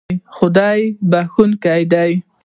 خدای بښونکی دی